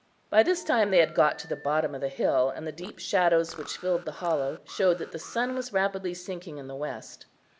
By this time they had got to the bottom of the hill, and the deep shadows which filled the hollow showed that the sun was rapidly sinking in the west.